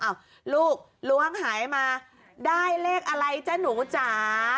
ลูกล้วงหายมาได้เลขอะไรจ๊ะหนูจ๋า